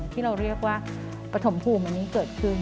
ที่เราเรียกว่าปฐมภูมิอันนี้เกิดขึ้น